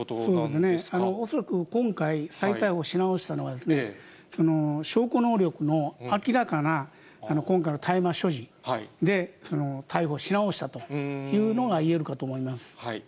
そうですね、恐らく今回、再逮捕し直したのは証拠能力の明らかな今回の大麻所持で、逮捕し直したというのが言えるかと思います。